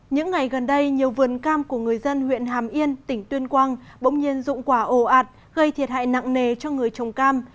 những ngày gần đây nhiều vườn cam của người dân huyện hàm yên tỉnh tuyên quang bỗng nhiên dụng quả ồ ạt gây thiệt hại nặng nề cho người trồng cam